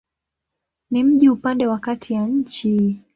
Ni mji upande wa kati ya nchi.